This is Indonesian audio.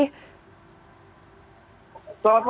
selamat malam monica